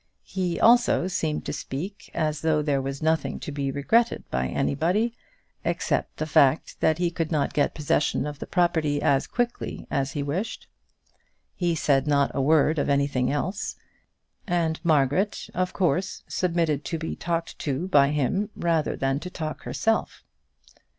He also seemed to speak as though there was nothing to be regretted by anybody, except the fact that he could not get possession of the property as quick as he wished. He said not a word of anything else, and Margaret, of course, submitted to be talked to by him rather than to talk herself.